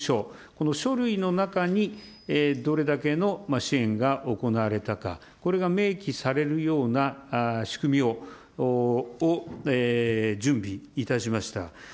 国民の皆様方、お一人お一人に届くこの請求書、この書類の中に、どれだけの支援が行われたか、これが明記されるような仕組みを準備いたしました。